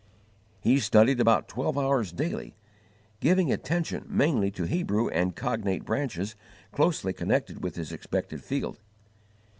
He studied about twelve hours daily, giving attention mainly to Hebrew and cognate branches closely connected with his expected field.